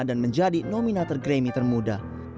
dan menjadi nominator grammy termuda